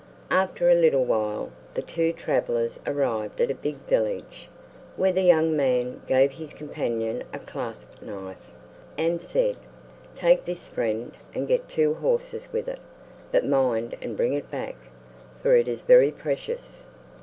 After a little while the two travelers arrived at a big village, where the young man gave his companion a clasp knife, and said, "Take this, friend, and get two horses with it; but mind and bring it back, for it is very precious."